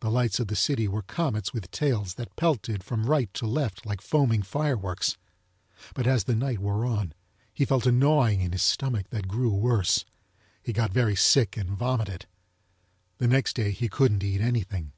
The lites of the city were comets with tails that pelted from rite to left like foaming fireworks. But as the nite wore on he felt a gnawing in his stomach, that grew worse. He got very sick and vomited. The next day he couldn't eat anything.